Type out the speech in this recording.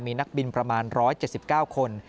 มีนักบินประมาณ๑๗๙คน